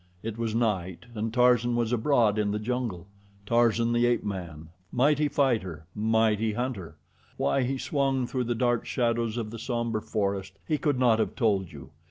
It was night, and Tarzan was abroad in the jungle Tarzan, the ape man; mighty fighter, mighty hunter. Why he swung through the dark shadows of the somber forest he could not have told you.